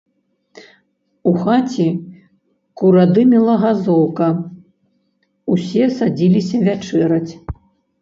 У хаце куродымела газоўка, усе садзіліся вячэраць.